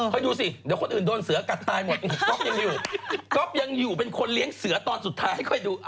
เฮ้ยดูสิเดี๋ยวคนอื่นโดนเสือกัดตายหมดก๊อบยังอยู่เป็นคนเลี้ยงเสือตอนสุดท้ายให้ค่อยดู